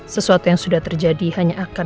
sesuatu yang sudah terjadi hanya akan